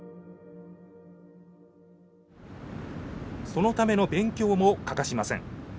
そのための勉強も欠かしません。